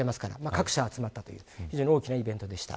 各社集まったという非常に大きなイベントでした。